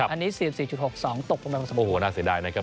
อันนี้๔๔๖๒ตกโอ้โหน่าเสียดายนะครับ